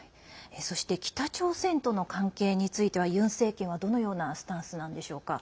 そして北朝鮮との関係についてユン政権は、どのようなスタンスなんでしょうか？